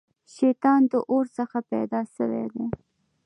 شيطان د اور څخه پيدا سوی دی